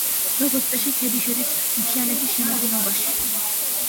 როგორც წესი, ქედი შედის მთიანეთის შემადგენლობაში.